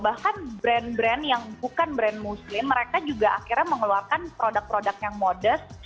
bahkan brand brand yang bukan brand muslim mereka juga akhirnya mengeluarkan produk produk yang modest